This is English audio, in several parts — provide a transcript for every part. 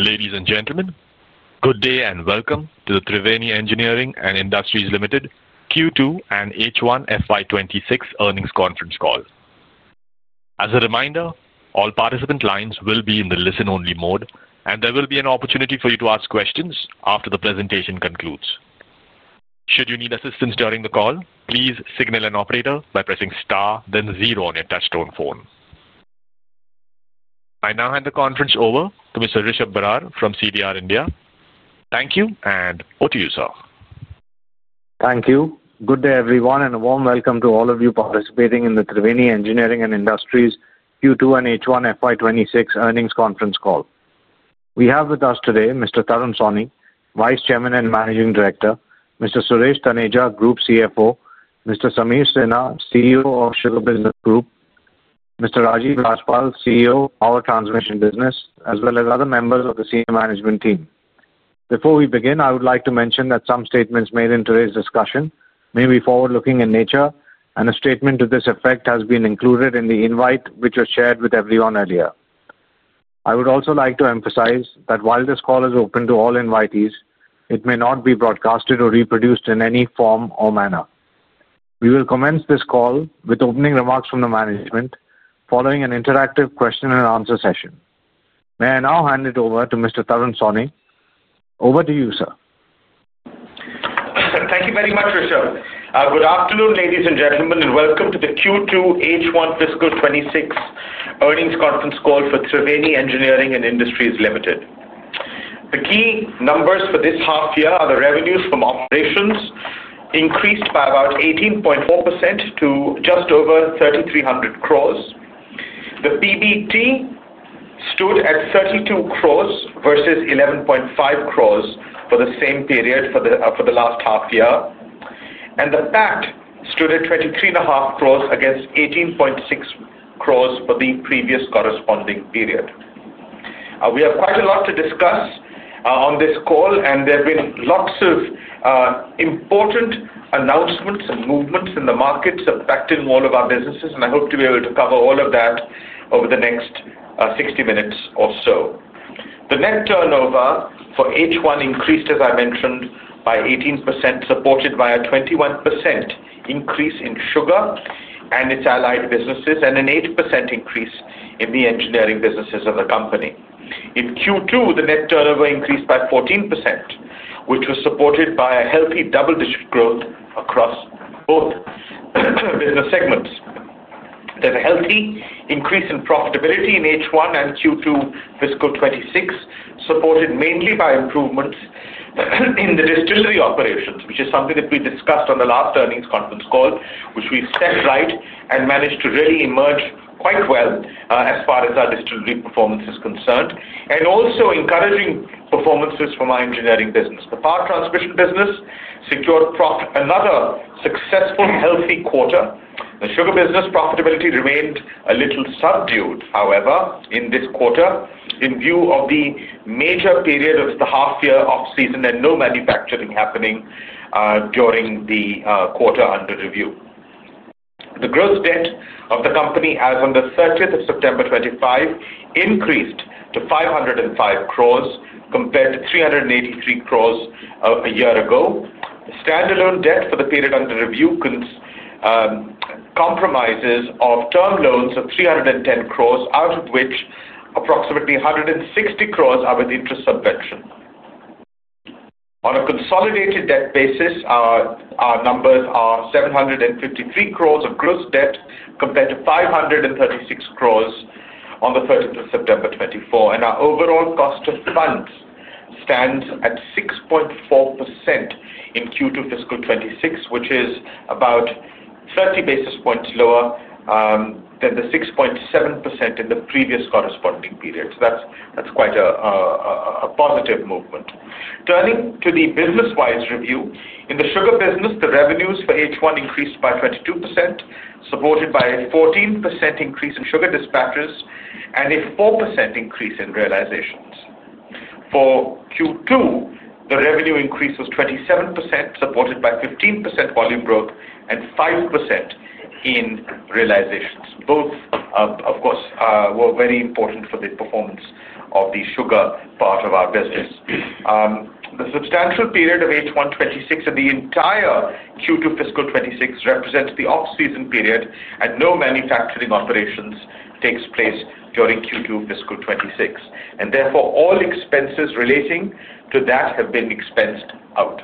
Ladies and gentlemen, good day and welcome to the Triveni Engineering & Industries Limited Q2 and H1 FY 2026 earnings conference call. As a reminder, all participant lines will be in the listen-only mode, and there will be an opportunity for you to ask questions after the presentation concludes. Should you need assistance during the call, please signal an operator by pressing star, then zero on your touchstone phone. I now hand the conference over to Mr. Rishabh Barar from CDR India. Thank you, and over to you, sir. Thank you. Good day, everyone, and a warm welcome to all of you participating in the Triveni Engineering & Industries Q2 and H1 FY 2026 earnings conference call. We have with us today Mr. Tarun Sawhney, Vice Chairman and Managing Director; Mr. Suresh Taneja, Group CFO; Mr. Sameer Sinha, CEO of Sugar Business Group; Mr. Rajiv Rajpal, CEO of Power Transmission Business, as well as other members of the senior management team. Before we begin, I would like to mention that some statements made in today's discussion may be forward-looking in nature, and a statement to this effect has been included in the invite which was shared with everyone earlier. I would also like to emphasize that while this call is open to all invitees, it may not be broadcasted or reproduced in any form or manner. We will commence this call with opening remarks from the management, following an interactive question-and-answer session. May I now hand it over to Mr. Tarun Sawhney? Over to you, sir. Thank you very much, Rishabh. Good afternoon, ladies and gentlemen, and welcome to the Q2 H1 Fiscal 2026 earnings conference call for Triveni Engineering & Industries Limited. The key numbers for this half-year are the revenues from operations increased by about 18.4% to just over 3,300 crore. The PBT stood at 32 crore versus 11.5 crore for the same period for the last half-year, and the PAT stood at 23.5 crore against 18.6 crore for the previous corresponding period. We have quite a lot to discuss on this call, and there have been lots of important announcements and movements in the markets affecting all of our businesses, and I hope to be able to cover all of that over the next 60 minutes or so. The net turnover for H1 increased, as I mentioned, by 18%, supported by a 21% increase in sugar and its allied businesses, and an 8% increase in the engineering businesses of the company. In Q2, the net turnover increased by 14%, which was supported by a healthy double-digit growth across both business segments. There is a healthy increase in profitability in H1 and Q2 Fiscal 2026, supported mainly by improvements in the distillery operations, which is something that we discussed on the last earnings conference call, which we have stepped right and managed to really emerge quite well as far as our distillery performance is concerned, and also encouraging performances from our engineering business. The power transmission business secured another successful, healthy quarter. The sugar business profitability remained a little subdued, however, in this quarter, in view of the major period of the half-year off-season and no manufacturing happening during the quarter under review. The gross debt of the company as of the 30th of September 2025 increased to 505 crore compared to 383 crore a year ago. The standalone debt for the period under review comprises of term loans of 310 crore, out of which approximately 160 crore are with interest subvention. On a consolidated debt basis, our numbers are 753 crore of gross debt compared to 536 crore on the 30th of September 2024, and our overall cost of funds stands at 6.4% in Q2 Fiscal 2026, which is about 30 basis points lower than the 6.7% in the previous corresponding period. That is quite a positive movement. Turning to the business-wise review, in the sugar business, the revenues for H1 increased by 22%, supported by a 14% increase in sugar dispatches and a 4% increase in realizations. For Q2, the revenue increase was 27%, supported by 15% volume growth and 5% in realizations. Both, of course, were very important for the performance of the sugar part of our business. The substantial period of H1 2026 and the entire Q2 Fiscal 2026 represents the off-season period, and no manufacturing operations take place during Q2 Fiscal 2026, and therefore all expenses relating to that have been expensed out.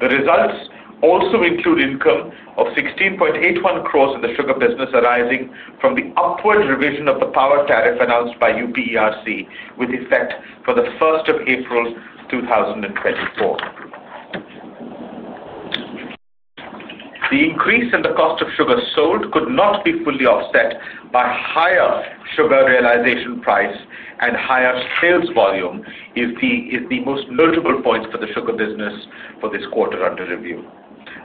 The results also include income of 16.81 crore in the sugar business arising from the upward revision of the power tariff announced by UPERC with effect for the 1st of April 2024. The increase in the cost of sugar sold could not be fully offset by higher sugar realization price and higher sales volume is the most notable point for the sugar business for this quarter under review.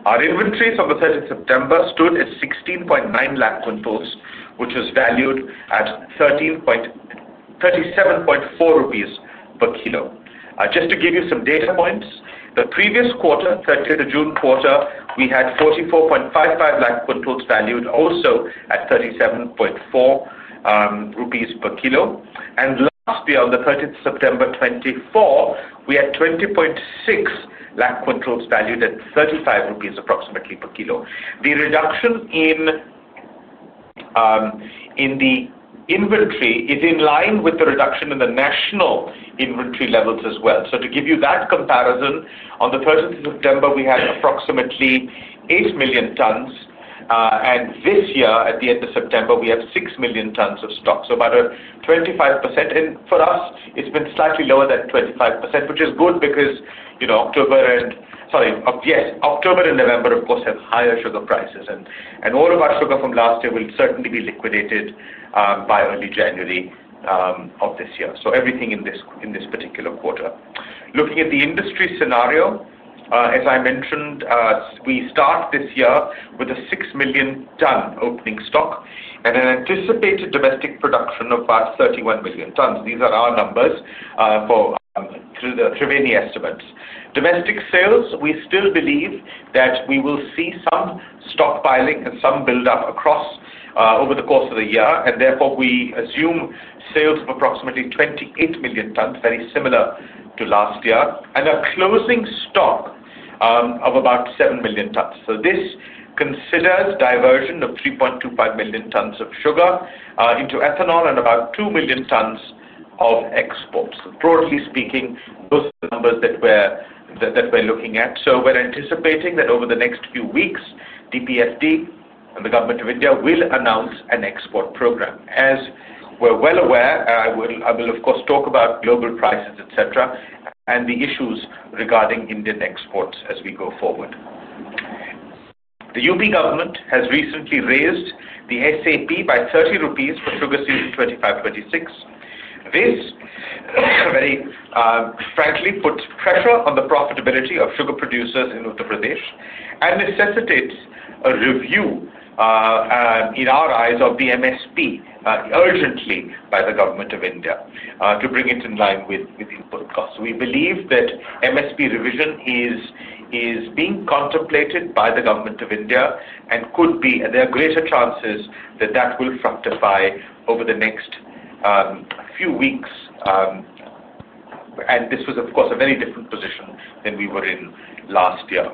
Our inventories on the 3rd of September stood at 16.9 lakh quintals, which was valued at 37.4 rupees per kilo. Just to give you some data points, the previous quarter, 30th of June quarter, we had 44.55 lakh quintals valued also at 37.4 rupees per kilo, and last year, on the 30th of September 2024, we had 20.6 lakh quintals valued at 35 rupees approximately per kilo. The reduction in the inventory is in line with the reduction in the national inventory levels as well. To give you that comparison, on the 30th of September, we had approximately 8 million tons, and this year, at the end of September, we have 6 million tons of stock, so about a 25%. For us, it has been slightly lower than 25%, which is good because October and, sorry, yes, October and November, of course, have higher sugar prices, and all of our sugar from last year will certainly be liquidated by early January of this year. Everything in this particular quarter. Looking at the industry scenario, as I mentioned, we start this year with a 6 million ton opening stock and an anticipated domestic production of about 31 million tons. These are our numbers through the Triveni estimates. Domestic sales, we still believe that we will see some stockpiling and some build-up across over the course of the year, and therefore we assume sales of approximately 28 million tons, very similar to last year, and a closing stock of about 7 million tons. This considers diversion of 3.25 million tons of sugar into ethanol and about 2 million tons of exports. Broadly speaking, those are the numbers that we're looking at. We're anticipating that over the next few weeks, DPFD and the Government of India will announce an export program. As we're well aware, I will, of course, talk about global prices, etc., and the issues regarding Indian exports as we go forward. The UP government has recently raised the SAP by 30 rupees for sugar season 2025/2026. This, very frankly, puts pressure on the profitability of sugar producers in Uttar Pradesh and necessitates a review, in our eyes, of the MSP urgently by the Government of India to bring it in line with input costs. We believe that MSP revision is being contemplated by the Government of India and could be—there are greater chances that that will fructify over the next few weeks, and this was, of course, a very different position than we were in last year.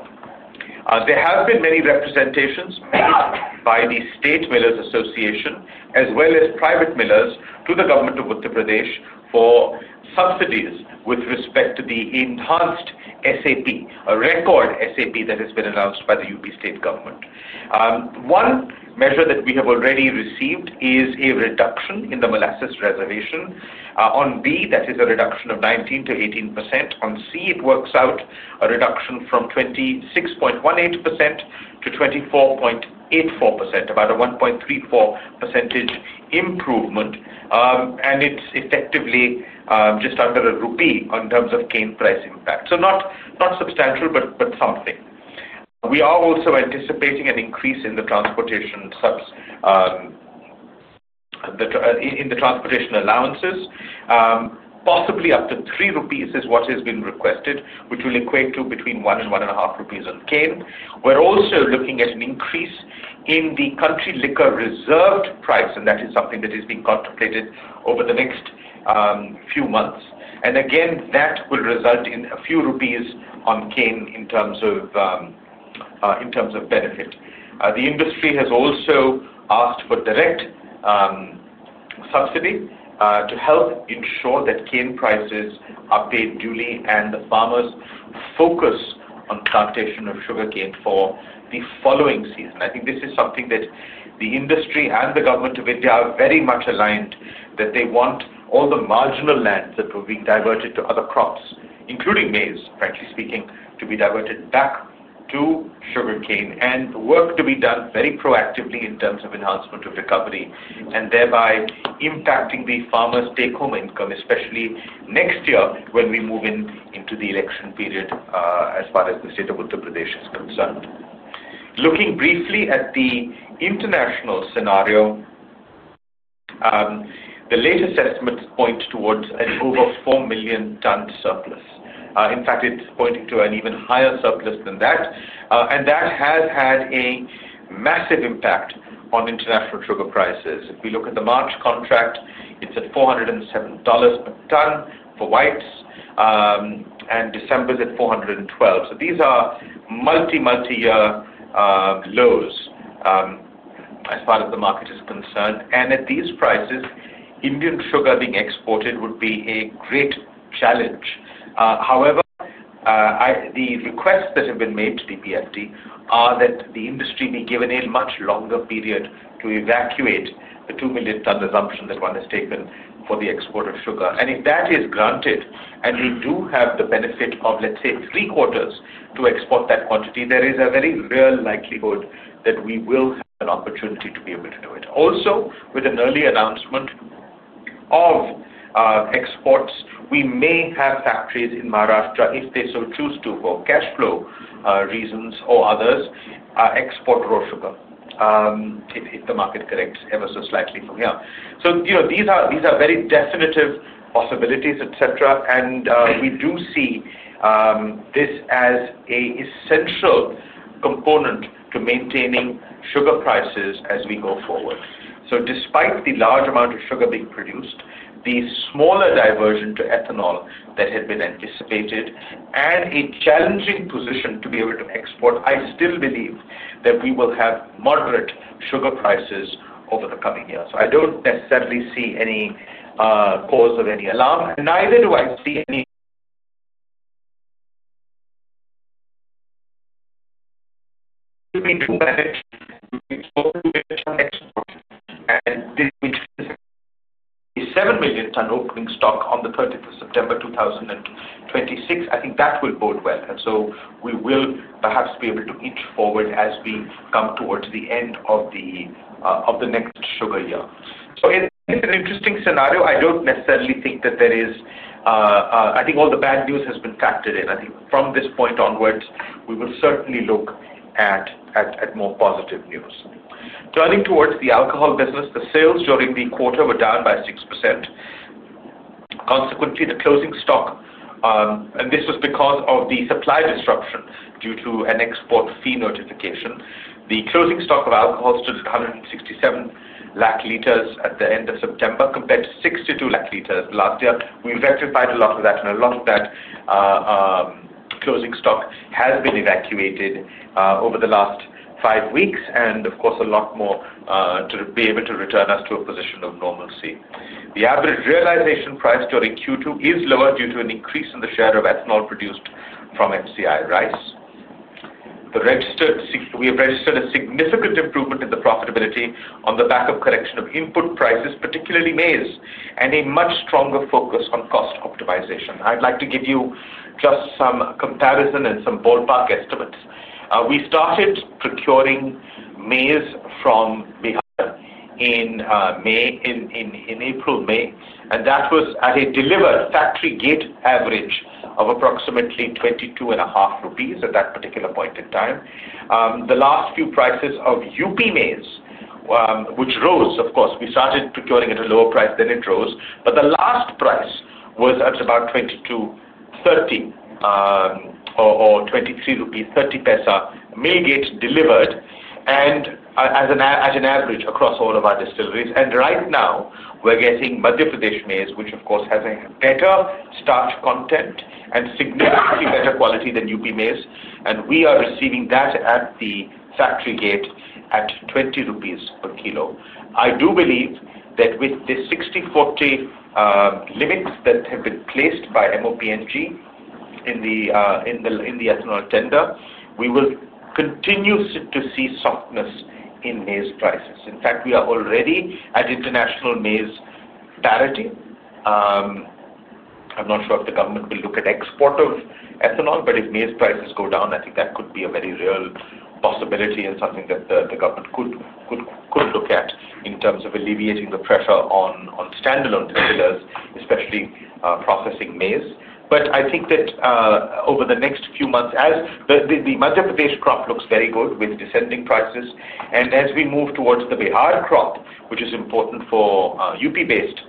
There have been many representations made by the State Millers Association as well as private millers to the Government of Uttar Pradesh for subsidies with respect to the enhanced SAP, a record SAP that has been announced by the UP State Government. One measure that we have already received is a reduction in the molasses reservation. On B, that is a reduction of 19% to 18%. On C, it works out a reduction from 26.18% to 24.84%, about a 1.34% improvement, and it's effectively just under INR 1 in terms of cane price impact. Not substantial, but something. We are also anticipating an increase in the transportation allowances, possibly up to 3 rupees is what has been requested, which will equate to between 1 and 1.5 rupees on cane. We're also looking at an increase in the country liquor reserved price, and that is something that is being contemplated over the next few months, and again, that will result in a few rupees on cane in terms of benefit. The industry has also asked for direct subsidy to help ensure that cane prices are paid duly and the farmers focus on plantation of sugarcane for the following season. I think this is something that the industry and the Government of India are very much aligned that they want all the marginal lands that were being diverted to other crops, including maize, frankly speaking, to be diverted back to sugarcane and work to be done very proactively in terms of enhancement of recovery and thereby impacting the farmer's take-home income, especially next year when we move into the election period as far as the state of Uttar Pradesh is concerned. Looking briefly at the international scenario, the latest estimates point towards an over 4 million ton surplus. In fact, it's pointing to an even higher surplus than that, and that has had a massive impact on international sugar prices. If we look at the March contract, it's at $407 per ton for whites, and December's at $412. These are multi-year lows as far as the market is concerned, and at these prices, Indian sugar being exported would be a great challenge. However, the requests that have been made to DPFD are that the industry be given a much longer period to evacuate the 2 million ton resumption that one has taken for the export of sugar. If that is granted and we do have the benefit of, let's say, three quarters to export that quantity, there is a very real likelihood that we will have an opportunity to be able to do it. Also, with an early announcement of exports, we may have factories in Maharashtra, if they so choose to, for cash flow reasons or others, export raw sugar if the market corrects ever so slightly from here. These are very definitive possibilities, etc., and we do see this as an essential component to maintaining sugar prices as we go forward. Despite the large amount of sugar being produced, the smaller diversion to ethanol that had been anticipated, and a challenging position to be able to export, I still believe that we will have moderate sugar prices over the coming years. I do not necessarily see any cause of any alarm, and neither do I see any 7 million ton opening stock on the 30th of September 2026. I think that will bode well, and we will perhaps be able to inch forward as we come towards the end of the next sugar year. It is an interesting scenario. I do not necessarily think that there is—I think all the bad news has been factored in. I think from this point onwards, we will certainly look at more positive news. Turning towards the alcohol business, the sales during the quarter were down by 6%. Consequently, the closing stock—and this was because of the supply disruption due to an export fee notification—the closing stock of alcohol stood at 167 lakh liters at the end of September compared to 62 lakh liters last year. We rectified a lot of that, and a lot of that closing stock has been evacuated over the last five weeks, and of course, a lot more to be able to return us to a position of normalcy. The average realization price during Q2 is lower due to an increase in the share of ethanol produced from FCI rice. We have registered a significant improvement in the profitability on the back of correction of input prices, particularly maize, and a much stronger focus on cost optimization. I'd like to give you just some comparison and some ballpark estimates. We started procuring maize from Bihar in April-May, and that was at a delivered factory gate average of approximately 22.50 rupees at that particular point in time. The last few prices of UP maize, which rose, of course, we started procuring at a lower price, then it rose, but the last price was at about 22.30 or 23.30 rupees factory gate delivered as an average across all of our distilleries. Right now, we're getting Madhya Pradesh maize, which of course has a better starch content and significantly better quality than UP maize, and we are receiving that at the factory gate at 20 rupees per kilo. I do believe that with the 60/40 limits that have been placed by MoP&NG in the ethanol tender, we will continue to see softness in maize prices. In fact, we are already at international maize parity. I'm not sure if the government will look at export of ethanol, but if maize prices go down, I think that could be a very real possibility and something that the government could look at in terms of alleviating the pressure on standalone distillers, especially processing maize. I think that over the next few months, as the Madhya Pradesh crop looks very good with descending prices, and as we move towards the Bihar crop, which is important for UP-based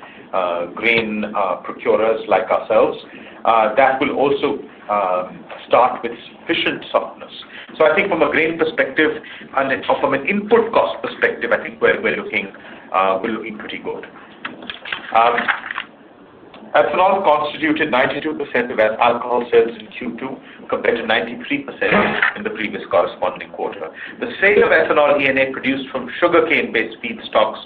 grain procurers like ourselves, that will also start with sufficient softness. I think from a grain perspective or from an input cost perspective, I think we're looking pretty good. Ethanol constituted 92% of alcohol sales in Q2 compared to 93% in the previous corresponding quarter. The sale of ethanol ENA produced from sugarcane-based feed stocks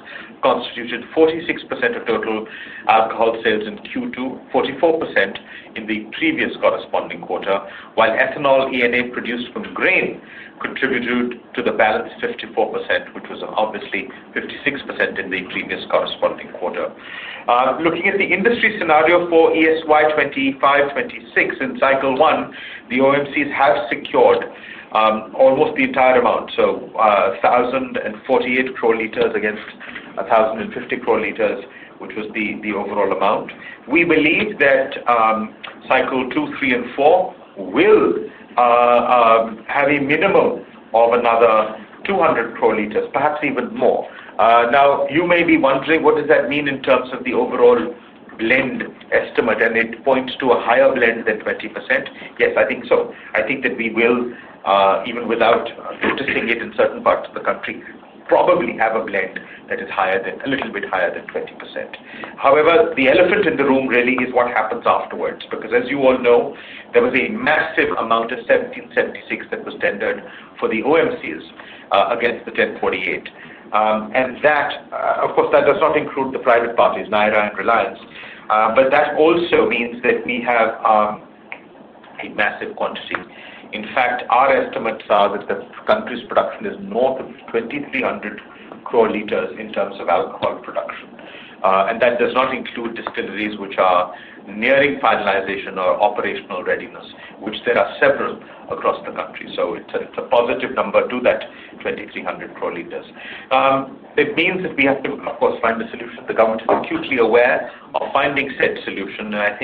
constituted 46% of total alcohol sales in Q2, 44% in the previous corresponding quarter, while ethanol ENA produced from grain contributed to the balance 54%, which was obviously 56% in the previous corresponding quarter. Looking at the industry scenario for ESY 2025/2026 in cycle one, the OMCs have secured almost the entire amount, so 1,048 crore liters against 1,050 crore liters, which was the overall amount. We believe that cycle two, three, and four will have a minimum of another 200 crore liters, perhaps even more. Now, you may be wondering, what does that mean in terms of the overall blend estimate, and it points to a higher blend than 20%. Yes, I think so. I think that we will, even without noticing it in certain parts of the country, probably have a blend that is a little bit higher than 20%. However, the elephant in the room really is what happens afterwards because, as you all know, there was a massive amount of 1,776 that was tendered for the OMCs against the 1,048, and of course, that does not include the private parties, Nayara and Reliance, but that also means that we have a massive quantity. In fact, our estimates are that the country's production is north of 2,300 crore liters in terms of alcohol production, and that does not include distilleries which are nearing finalization or operational readiness, which there are several across the country. It is a positive number to that 2,300 crore liters. It means that we have to, of course, find a solution. The government is acutely aware of finding said solution, and I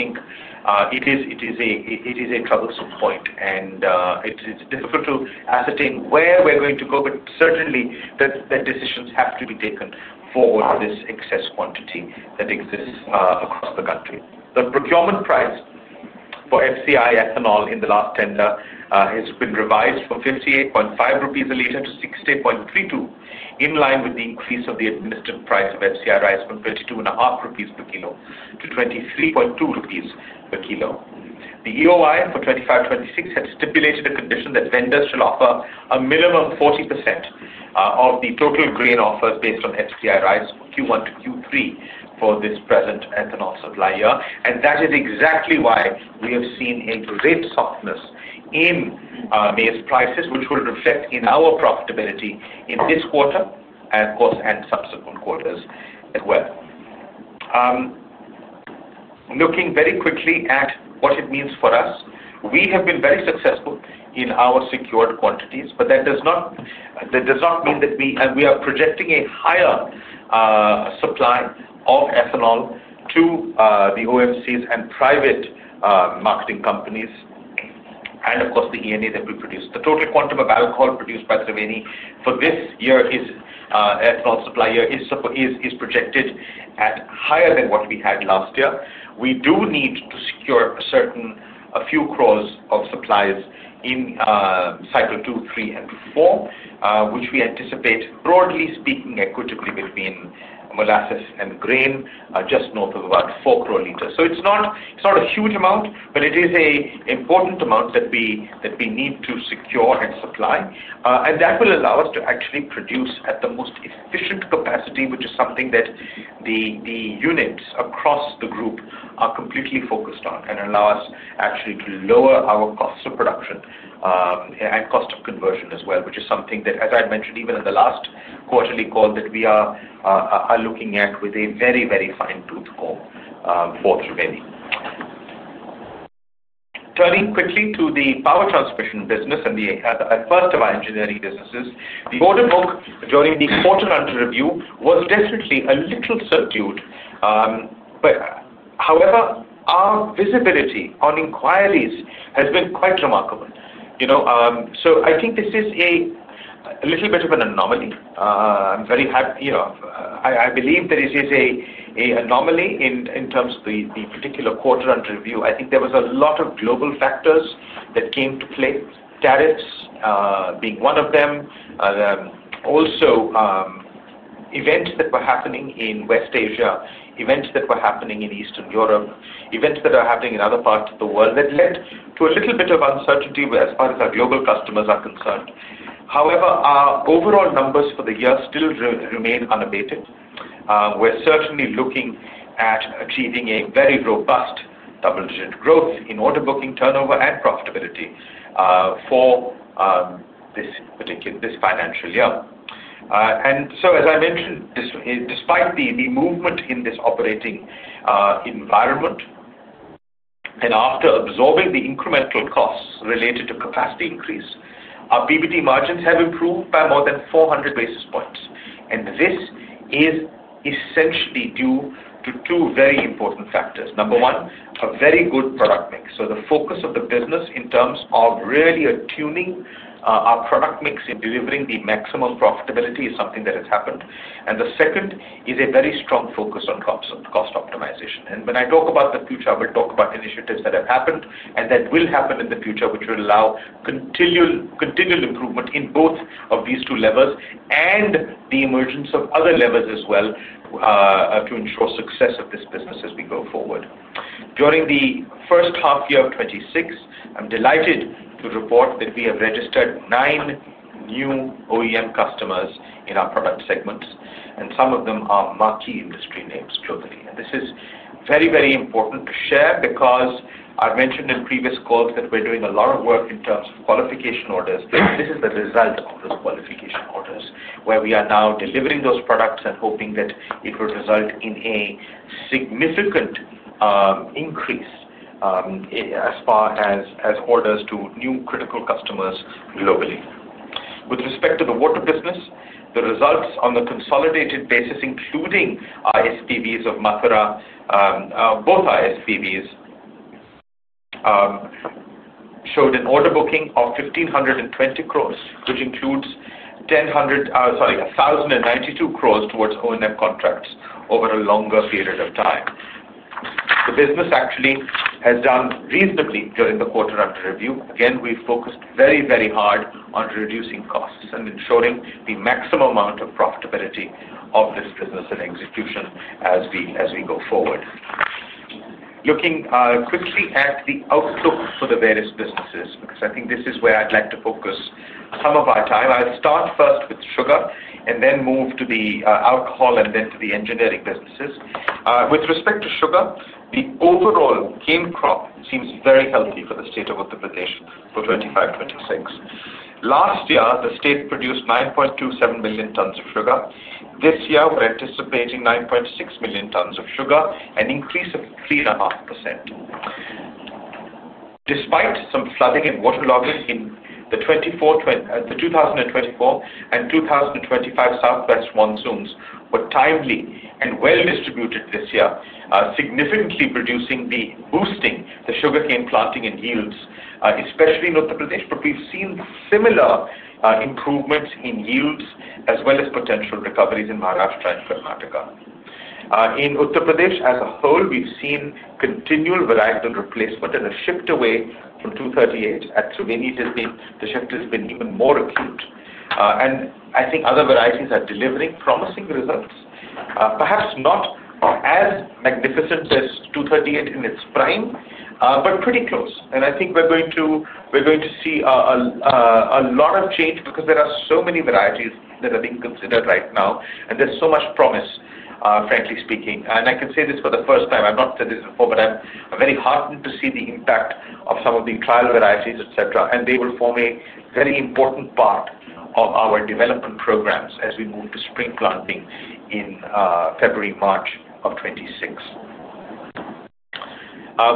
think it is a troublesome point, and it is difficult to ascertain where we're going to go, but certainly, the decisions have to be taken for this excess quantity that exists across the country. The procurement price for FCI ethanol in the last tender has been revised from 58.5 rupees a liter to 68.32, in line with the increase of the administered price of FCI rice from 32.5 rupees per kilo to 23.2 rupees per kilo. The EOI for 2025/2026 had stipulated a condition that vendors should offer a minimum 40% of the total grain offered based on FCI rice Q1 to Q3 for this present ethanol supply year, and that is exactly why we have seen a great softness in maize prices, which will reflect in our profitability in this quarter and, of course, in subsequent quarters as well. Looking very quickly at what it means for us, we have been very successful in our secured quantities, but that does not mean that we are projecting a higher supply of ethanol to the OMCs and private marketing companies, and, of course, the ENA that we produce. The total quantum of alcohol produced by Triveni for this year, its ethanol supply year, is projected at higher than what we had last year. We do need to secure a few crores of supplies in cycle two, three, and four, which we anticipate, broadly speaking, equitably between molasses and grain, just north of about 40 million liters. It is not a huge amount, but it is an important amount that we need to secure and supply, and that will allow us to actually produce at the most efficient capacity, which is something that the units across the group are completely focused on and allow us actually to lower our cost of production and cost of conversion as well, which is something that, as I mentioned even in the last quarterly call, that we are looking at with a very, very fine-toothed comb for Triveni. Turning quickly to the power transmission business and the first of our engineering businesses, the order book during the quarter-end review was definitely a little subdued, but however, our visibility on inquiries has been quite remarkable. I think this is a little bit of an anomaly. I believe that it is an anomaly in terms of the particular quarter-end review. I think there was a lot of global factors that came to play, tariffs being one of them, also events that were happening in West Asia, events that were happening in Eastern Europe, events that are happening in other parts of the world that led to a little bit of uncertainty as far as our global customers are concerned. However, our overall numbers for the year still remain unabated. We're certainly looking at achieving a very robust double-digit growth in order booking turnover and profitability for this financial year. As I mentioned, despite the movement in this operating environment and after absorbing the incremental costs related to capacity increase, our PBT margins have improved by more than 400 basis points. This is essentially due to two very important factors. Number one, a very good product mix. The focus of the business in terms of really attuning our product mix and delivering the maximum profitability is something that has happened. The second is a very strong focus on cost optimization. When I talk about the future, I will talk about initiatives that have happened and that will happen in the future, which will allow continual improvement in both of these two levels and the emergence of other levels as well to ensure success of this business as we go forward. During the first half year of 2026, I'm delighted to report that we have registered nine new OEM customers in our product segments, and some of them are marquee industry names globally. This is very, very important to share because I've mentioned in previous calls that we're doing a lot of work in terms of qualification orders. This is the result of those qualification orders where we are now delivering those products and hoping that it will result in a significant increase as far as orders to new critical customers globally. With respect to the water business, the results on the consolidated basis, including ISPVs of Mackera, both ISPVs showed an order booking of 1,520 crore, which includes 1,092 crore towards O&M contracts over a longer period of time. The business actually has done reasonably during the quarter-end review. Again, we've focused very, very hard on reducing costs and ensuring the maximum amount of profitability of this business and execution as we go forward. Looking quickly at the outlook for the various businesses, because I think this is where I'd like to focus some of our time, I'll start first with sugar and then move to the alcohol and then to the engineering businesses. With respect to sugar, the overall cane crop seems very healthy for the state of Uttar Pradesh for 2025/2026. Last year, the state produced 9.27 million tons of sugar. This year, we're anticipating 9.6 million tons of sugar, an increase of 3.5%. Despite some flooding and waterlogging in the 2024 and 2025 Southwest monsoons, which were timely and well-distributed this year, significantly boosting the sugarcane planting and yields, especially in Uttar Pradesh, we have seen similar improvements in yields as well as potential recoveries in Maharashtra and Karnataka. In Uttar Pradesh, as a whole, we have seen continual varietal replacement, and the shift away from 238 at Triveni has been even more acute. I think other varieties are delivering promising results, perhaps not as magnificent as 238 in its prime, but pretty close. I think we are going to see a lot of change because there are so many varieties that are being considered right now, and there is so much promise, frankly speaking. I can say this for the first time. I've not said this before, but I'm very heartened to see the impact of some of the trial varieties, etc., and they will form a very important part of our development programs as we move to spring planting in February/March of 2026.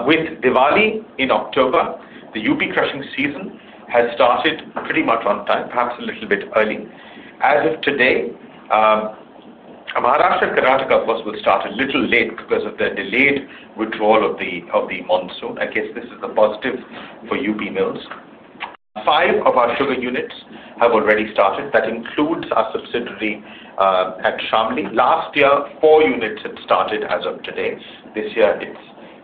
With Diwali in October, the UP crushing season has started pretty much on time, perhaps a little bit early. As of today, Maharashtra and Karnataka, of course, will start a little late because of the delayed withdrawal of the monsoon. I guess this is a positive for UP Mills. Five of our sugar units have already started. That includes our subsidiary at Shamli. Last year, four units had started as of today. This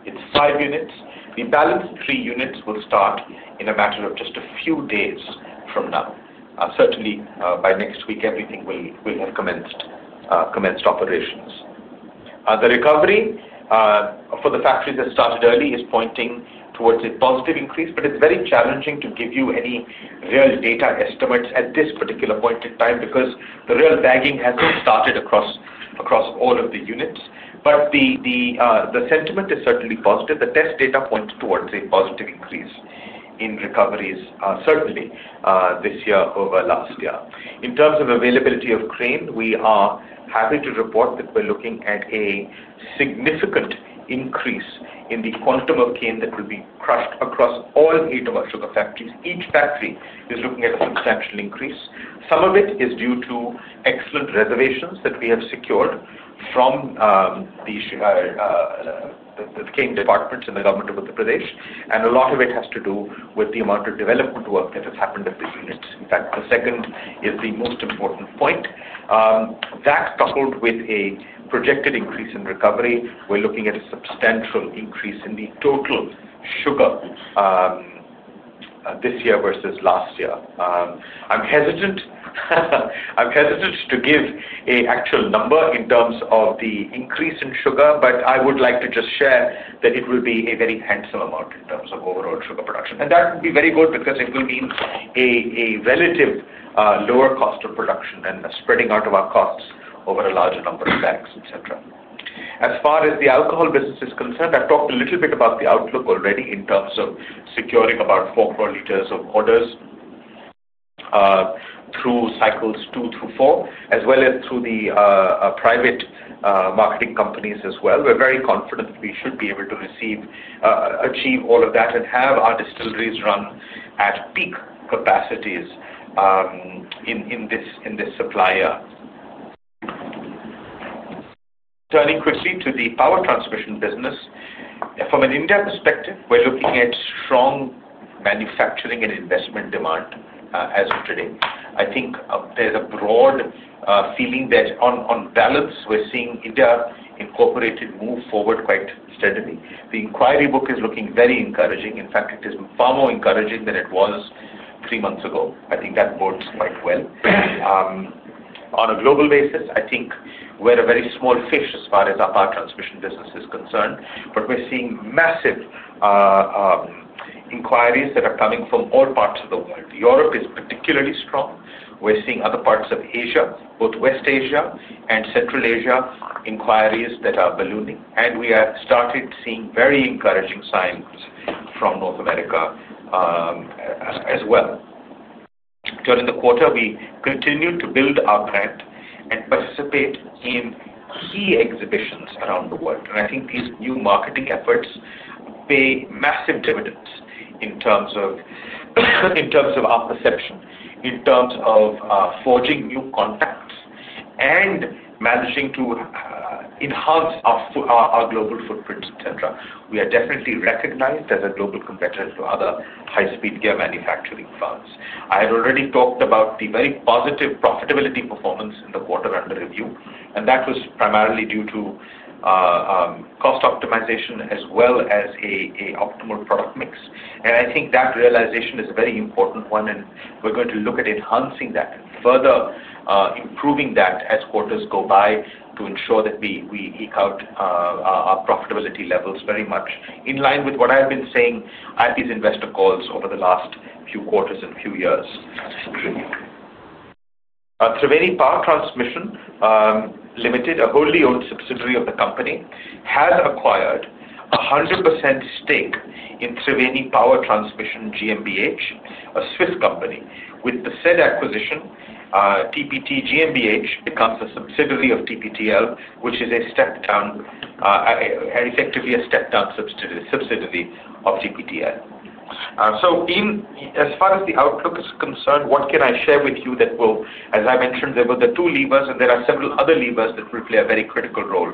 year, it's five units. The balance of three units will start in a matter of just a few days from now. Certainly, by next week, everything will have commenced operations. The recovery for the factories that started early is pointing towards a positive increase, but it's very challenging to give you any real data estimates at this particular point in time because the real bagging has started across all of the units. The sentiment is certainly positive. The test data point towards a positive increase in recoveries, certainly this year over last year. In terms of availability of grain, we are happy to report that we're looking at a significant increase in the quantum of cane that will be crushed across all eight of our sugar factories. Each factory is looking at a substantial increase. Some of it is due to excellent reservations that we have secured from the cane departments and the government of Uttar Pradesh, and a lot of it has to do with the amount of development work that has happened at the units. In fact, the second is the most important point. That coupled with a projected increase in recovery, we're looking at a substantial increase in the total sugar this year versus last year. I'm hesitant to give an actual number in terms of the increase in sugar, but I would like to just share that it will be a very handsome amount in terms of overall sugar production. That would be very good because it will mean a relative lower cost of production and spreading out of our costs over a larger number of banks, etc. As far as the alcohol business is concerned, I've talked a little bit about the outlook already in terms of securing about 40 million liters of orders through cycles two through four, as well as through the private marketing companies as well. We're very confident we should be able to achieve all of that and have our distilleries run at peak capacities in this supply year. Turning quickly to the power transmission business, from an India perspective, we're looking at strong manufacturing and investment demand as of today. I think there's a broad feeling that on balance, we're seeing India incorporated move forward quite steadily. The inquiry book is looking very encouraging. In fact, it is far more encouraging than it was three months ago. I think that bodes quite well. On a global basis, I think we're a very small fish as far as our power transmission business is concerned, but we're seeing massive inquiries that are coming from all parts of the world. Europe is particularly strong. We're seeing other parts of Asia, both West Asia and Central Asia, inquiries that are ballooning, and we have started seeing very encouraging signs from North America as well. During the quarter, we continue to build our brand and participate in key exhibitions around the world. I think these new marketing efforts pay massive dividends in terms of our perception, in terms of forging new contacts, and managing to enhance our global footprint, etc. We are definitely recognized as a global competitor to other high-speed gear manufacturing firms. I had already talked about the very positive profitability performance in the quarter-end review, and that was primarily due to cost optimization as well as an optimal product mix. I think that realization is a very important one, and we're going to look at enhancing that and further improving that as quarters go by to ensure that we eke out our profitability levels very much in line with what I've been saying at these investor calls over the last few quarters and few years. Triveni Power Transmission Limited, a wholly owned subsidiary of the company, has acquired a 100% stake in Triveni Power Transmission GmbH, a Swiss company. With the said acquisition, TPT GmbH becomes a subsidiary of TPTL, which is effectively a step-down subsidiary of TPTL. As far as the outlook is concerned, what can I share with you that will, as I mentioned, there were the two levers, and there are several other levers that will play a very critical role.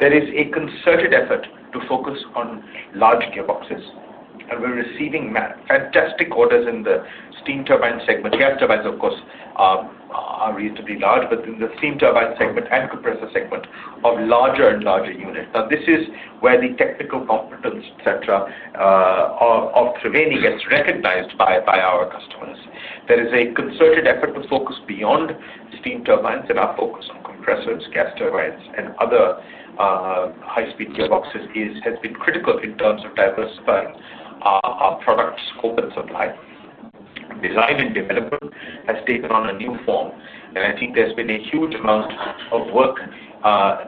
There is a concerted effort to focus on large gearboxes, and we're receiving fantastic orders in the steam turbine segment. Gas turbines, of course, are reasonably large, but in the steam turbine segment and compressor segment of larger and larger units. Now, this is where the technical competence, etc., of Triveni gets recognized by our customers. There is a concerted effort to focus beyond steam turbines and our focus on compressors, gas turbines, and other high-speed gearboxes has been critical in terms of diversifying our product scope and supply. Design and development has taken on a new form, and I think there's been a huge amount of work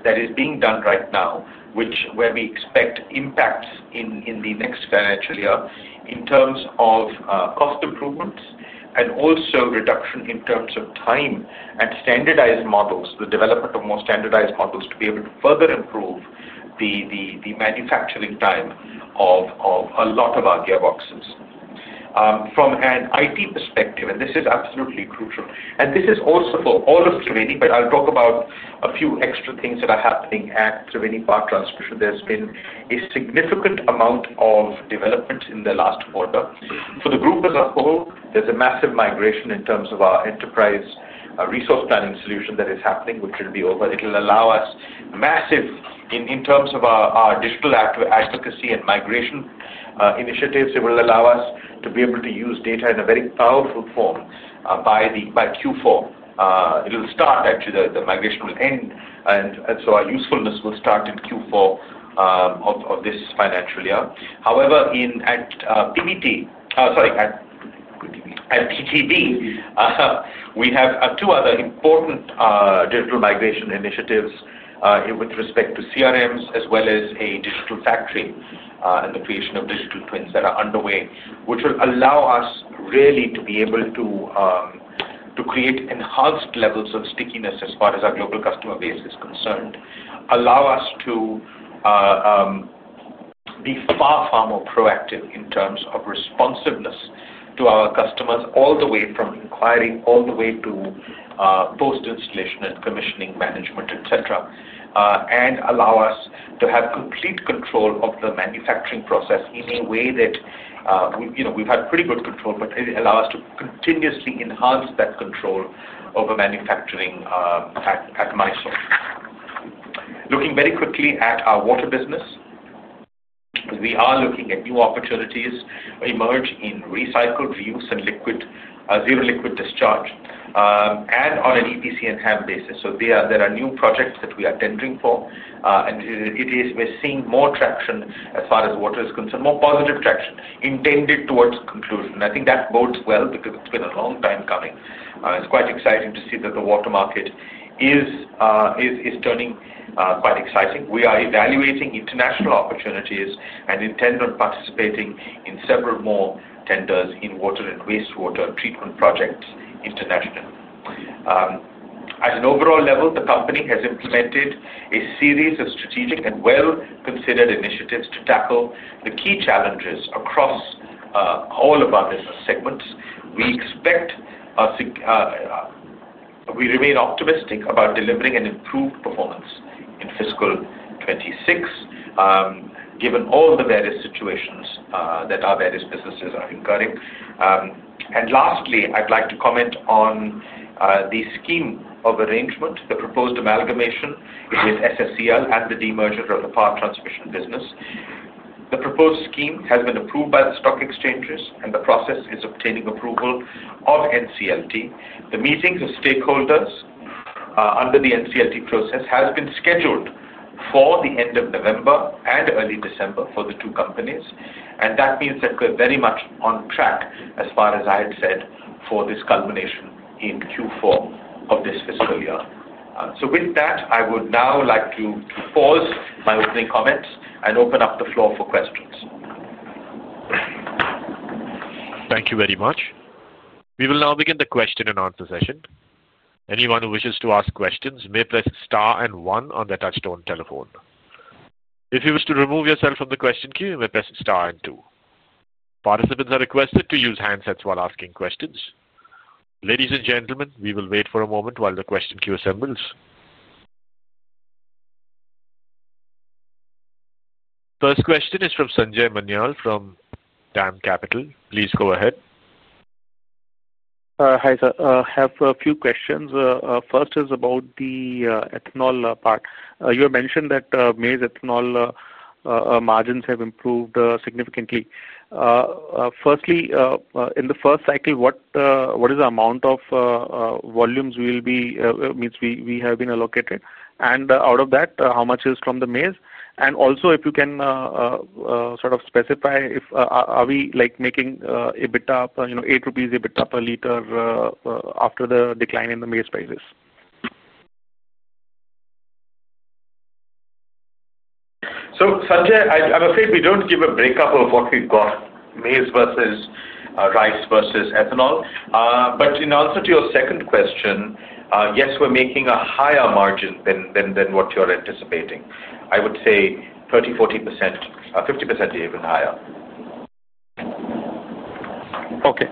that is being done right now, which where we expect impacts in the next financial year in terms of cost improvements and also reduction in terms of time and standardized models, the development of more standardized models to be able to further improve the manufacturing time of a lot of our gearboxes. From an IT perspective, and this is absolutely crucial, and this is also for all of Triveni, but I'll talk about a few extra things that are happening at Triveni Power Transmission. There's been a significant amount of development in the last quarter. For the group as a whole, there's a massive migration in terms of our enterprise resource planning solution that is happening, which will be over. It will allow us massive in terms of our digital advocacy and migration initiatives. It will allow us to be able to use data in a very powerful form by Q4. It will start, actually. The migration will end, and so our usefulness will start in Q4 of this financial year. However, at PBT, sorry, at TTB, we have two other important digital migration initiatives with respect to CRMs as well as a digital factory and the creation of digital twins that are underway, which will allow us really to be able to create enhanced levels of stickiness as far as our global customer base is concerned, allow us to be far, far more proactive in terms of responsiveness to our customers all the way from inquiry all the way to post-installation and commissioning management, etc., and allow us to have complete control of the manufacturing process in a way that we've had pretty good control, but it allows us to continuously enhance that control over manufacturing at my source. Looking very quickly at our water business, we are looking at new opportunities emerging in recycled reuse and zero liquid discharge and on an EPC and HAM basis. There are new projects that we are tendering for, and we're seeing more traction as far as water is concerned, more positive traction intended towards conclusion. I think that bodes well because it's been a long time coming. It's quite exciting to see that the water market is turning quite exciting. We are evaluating international opportunities and intend on participating in several more tenders in water and wastewater treatment projects internationally. At an overall level, the company has implemented a series of strategic and well-considered initiatives to tackle the key challenges across all of our business segments. We remain optimistic about delivering an improved performance in fiscal 2026, given all the various situations that our various businesses are incurring. Lastly, I'd like to comment on the scheme of arrangement, the proposed amalgamation with SSCL and the demerger of the power transmission business. The proposed scheme has been approved by the stock exchanges, and the process is obtaining approval of NCLT. The meetings of stakeholders under the NCLT process have been scheduled for the end of November and early December for the two companies, and that means that we're very much on track as far as I had said for this culmination in Q4 of this fiscal year. With that, I would now like to pause my opening comments and open up the floor for questions. Thank you very much. We will now begin the question and answer session. Anyone who wishes to ask questions may press star and one on the touchstone telephone. If you wish to remove yourself from the question queue, you may press star and two. Participants are requested to use handsets while asking questions. Ladies and gentlemen, we will wait for a moment while the question queue assembles. First question is from Sanjay Manyal from Dam Capital. Please go ahead. Hi sir. I have a few questions. First is about the ethanol part. You have mentioned that maize ethanol margins have improved significantly. Firstly, in the first cycle, what is the amount of volumes we will be means we have been allocated? And out of that, how much is from the maize? And also, if you can sort of specify, are we making EBITDA, 8 rupees EBITDA a liter after the decline in the maize prices? So Sanjay, I must say we do not give a breakup of what we have got, maize versus rice versus ethanol. But in answer to your second question, yes, we are making a higher margin than what you are anticipating. I would say 30%, 40%, 50%, even higher. Okay.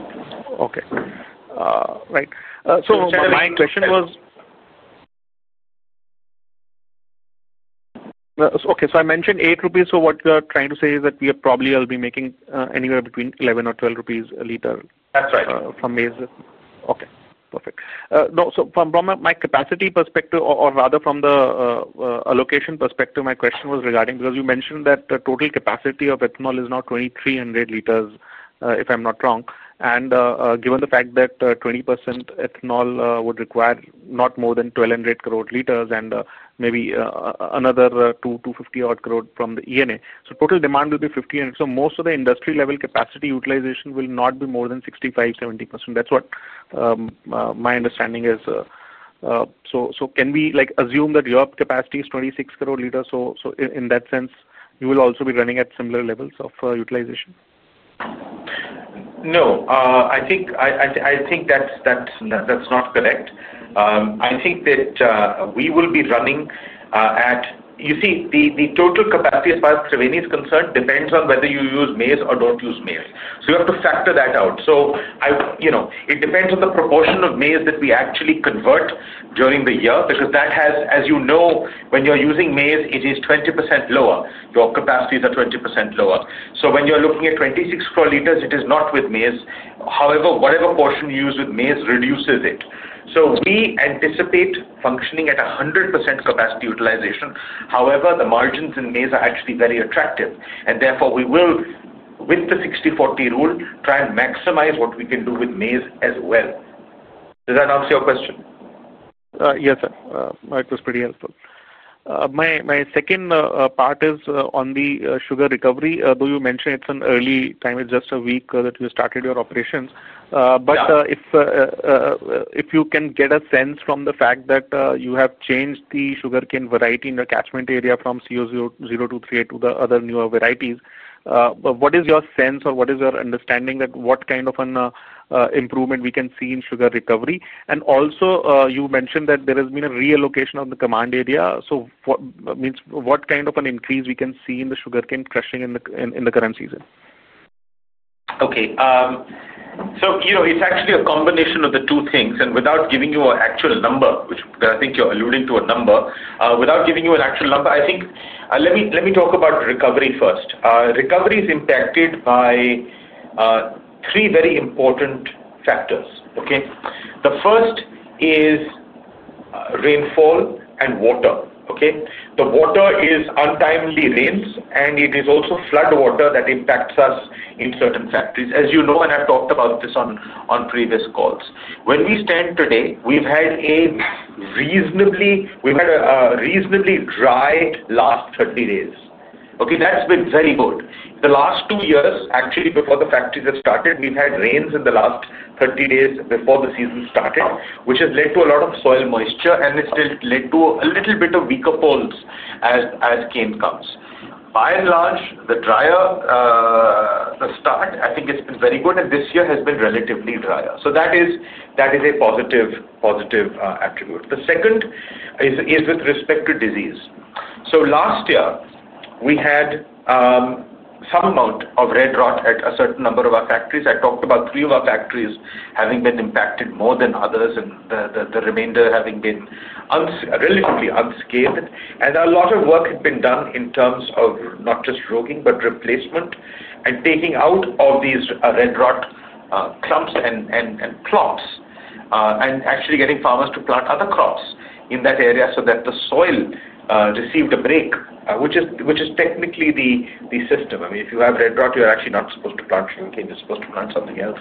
Okay. Right. So my question was. Okay. So I mentioned 8 rupees. So what you're trying to say is that we probably will be making anywhere between 11-12 rupees a liter from maize. Okay. Perfect. So from my capacity perspective, or rather from the allocation perspective, my question was regarding because you mentioned that the total capacity of ethanol is now 2,300 liters, if I'm not wrong. And given the fact that 20% ethanol would require not more than 1,200 crore liters and maybe another 250 odd crore from the ENA. So total demand will be 50. So most of the industry-level capacity utilization will not be more than 65%-70%. That's what my understanding is. So can we assume that your capacity is 26 crore liters? In that sense, you will also be running at similar levels of utilization? No. I think that's not correct. I think that we will be running at, you see, the total capacity as far as Triveni is concerned depends on whether you use maize or don't use maize. You have to factor that out. It depends on the proportion of maize that we actually convert during the year because that has, as you know, when you're using maize, it is 20% lower. Your capacities are 20% lower. When you're looking at 26 crore liters, it is not with maize. However, whatever portion you use with maize reduces it. We anticipate functioning at 100% capacity utilization. However, the margins in maize are actually very attractive. Therefore, we will, with the 60/40 rule, try and maximize what we can do with maize as well. Does that answer your question? Yes, sir. That was pretty helpful. My second part is on the sugar recovery. Although you mentioned it's an early time, it's just a week that you started your operations. If you can get a sense from the fact that you have changed the sugarcane variety in your catchment area from CO023A to the other newer varieties, what is your sense or what is your understanding that what kind of an improvement we can see in sugar recovery? Also, you mentioned that there has been a reallocation of the command area. What kind of an increase can we see in the sugarcane crushing in the current season? Okay. It's actually a combination of the two things. Without giving you an actual number, which I think you're alluding to a number, without giving you an actual number, let me talk about recovery first. Recovery is impacted by three very important factors. Okay? The first is rainfall and water. Okay? The water is untimely rains, and it is also flood water that impacts us in certain factories. As you know, and I've talked about this on previous calls, when we stand today, we've had a reasonably dry last 30 days. Okay? That's been very good. The last two years, actually, before the factories have started, we've had rains in the last 30 days before the season started, which has led to a lot of soil moisture and has still led to a little bit of weaker poles as cane comes. By and large, the drier start, I think, has been very good, and this year has been relatively drier. That is a positive attribute. The second is with respect to disease. Last year, we had some amount of red rot at a certain number of our factories. I talked about three of our factories having been impacted more than others and the remainder having been relatively unscathed. A lot of work had been done in terms of not just roguing, but replacement and taking out all these red rot clumps and actually getting farmers to plant other crops in that area so that the soil received a break, which is technically the system. I mean, if you have red rot, you're actually not supposed to plant sugarcane. You're supposed to plant something else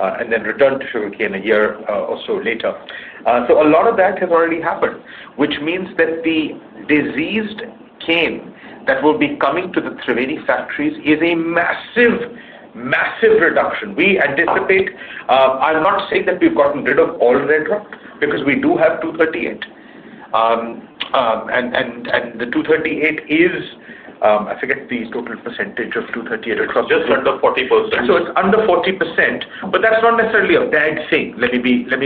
and then return to sugarcane a year or so later. A lot of that has already happened, which means that the diseased cane that will be coming to the Triveni factories is a massive, massive reduction. I'm not saying that we've gotten rid of all red rot because we do have 238. And the 238 is, I forget the total percentage of 238. It's just under 40%. It's under 40%, but that's not necessarily a bad thing. Let me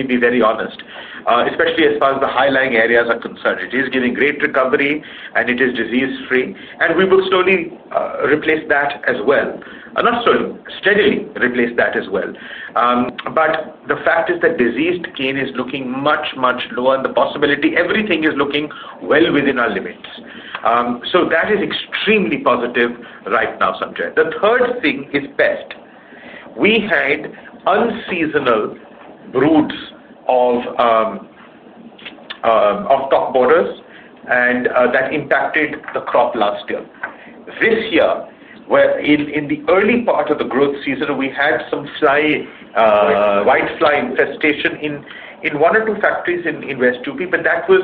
be very honest, especially as far as the high-lying areas are concerned. It is giving great recovery, and it is disease-free. We will slowly replace that as well. Not slowly, steadily replace that as well. The fact is that diseased cane is looking much, much lower, and the possibility everything is looking well within our limits. That is extremely positive right now, Sanjay. The third thing is best. We had unseasonal broods of top borers, and that impacted the crop last year. This year, in the early part of the growth season, we had some white fly infestation in one or two factories in West Uttar Pradesh, but that was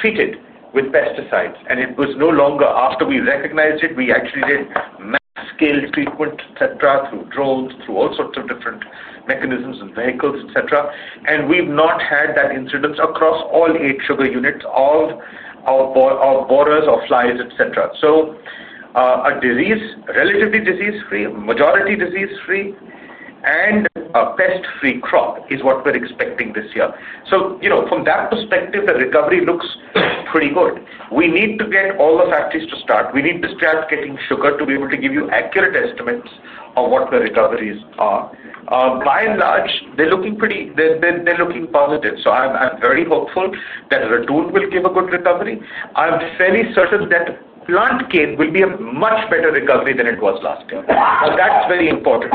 treated with pesticides. It was no longer after we recognized it. We actually did mass-scale treatment, etc., through drones, through all sorts of different mechanisms and vehicles, etc. We've not had that incidence across all eight sugar units of borers or flies, etc. A relatively disease-free, majority disease-free, and a pest-free crop is what we're expecting this year. From that perspective, the recovery looks pretty good. We need to get all the factories to start. We need to start getting sugar to be able to give you accurate estimates of what the recoveries are. By and large, they're looking positive. I'm very hopeful that Ratoon will give a good recovery. I'm fairly certain that plant cane will be a much better recovery than it was last year. That's very important.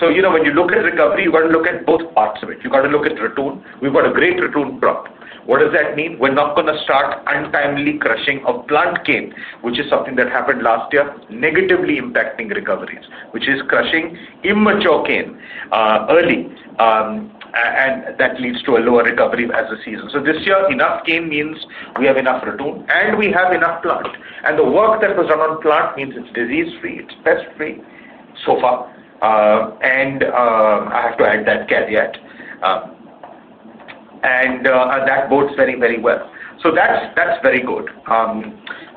When you look at recovery, you've got to look at both parts of it. You've got to look at Ratoon. We've got a great Ratoon crop. What does that mean? We're not going to start untimely crushing of plant cane, which is something that happened last year, negatively impacting recoveries, which is crushing immature cane early. That leads to a lower recovery as a season. This year, enough cane means we have enough Ratoon, and we have enough plant. The work that was done on plant means it's disease-free, it's pest-free so far. I have to add that caveat. That bodes very, very well. That's very good.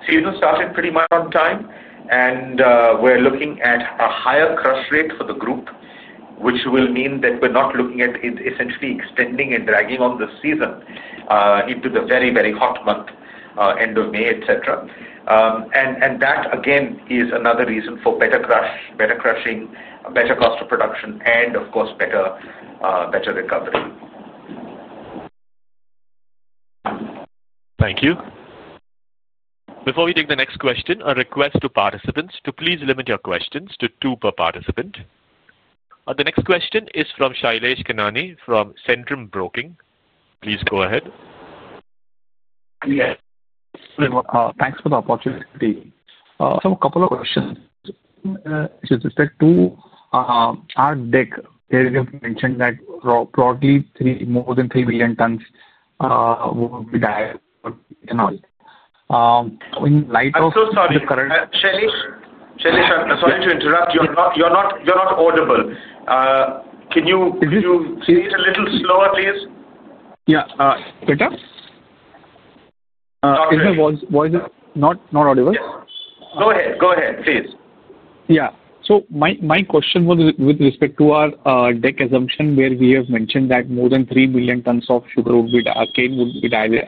Season started pretty much on time, and we're looking at a higher crush rate for the group, which will mean that we're not looking at essentially extending and dragging on the season into the very, very hot month, end of May, etc. That, again, is another reason for better crushing, better cost of production, and of course, better recovery. Thank you. Before we take the next question, a request to participants to please limit your questions to two per participant. The next question is from Shailesh Kanani from Centrum Broking. Please go ahead. Yes. Thanks for the opportunity. A couple of questions with respect to our deck. You mentioned that broadly, more than 3 million tons will be dire in all. In light of the current. I'm so sorry, Shailesh. Shailesh, I'm sorry to interrupt. You're not audible. Can you speak a little slower, please? Yeah. Better? Is my voice not audible? Go ahead. Go ahead, please. Yeah. My question was with respect to our deck assumption where we have mentioned that more than 3 million tons of sugar would be diverted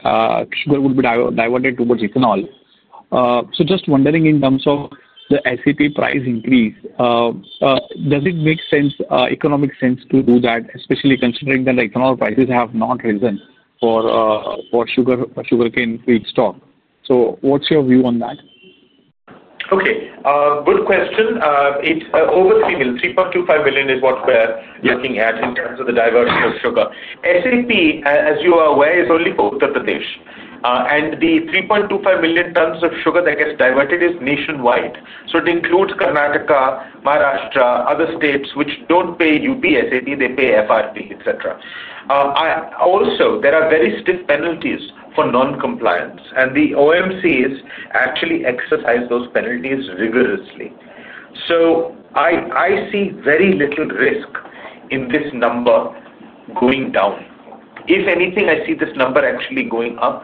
towards ethanol. Just wondering in terms of the SAP price increase, does it make economic sense to do that, especially considering that ethanol prices have not risen for sugarcane stock? What's your view on that? Okay. Good question. It's over 3 million. 3.25 million is what we're looking at in terms of the diversion of sugar. SAP, as you are aware, is only both of the dish. The 3.25 million tons of sugar that gets diverted is nationwide. It includes Karnataka, Maharashtra, other states which do not pay UP SAP. They pay FRP, etc. Also, there are very stiff penalties for non-compliance. The OMCs actually exercise those penalties rigorously. I see very little risk in this number going down. If anything, I see this number actually going up